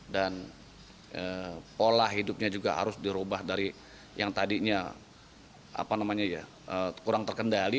dan pola hidupnya juga harus diubah dari yang tadinya kurang terkendali